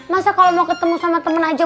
masa kalau mau ketemu sama teman aja